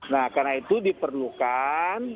nah karena itu diperlukan